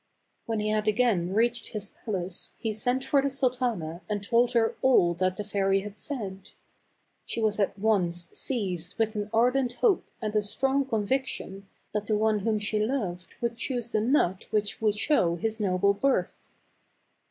When he had again reached his palace, he sent for the sultana and told her all that the fairy had said. She was at once seized with an ardent hope and a strong conviction that the one whom she loved would choose the nut which would show his noble birth.